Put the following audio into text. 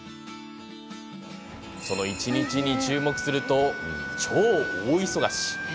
その一日に注目すると超大忙し。